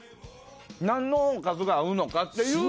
何のおかずが合うのかっていう。